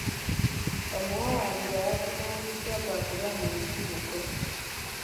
Omuwawaabirwa yavunaaniddwa gwa kulya mu nsi lukwe.